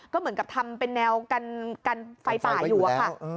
ก็เหมือนกับทำเป็นแนวกันไฟป่าอยู่อะค่ะ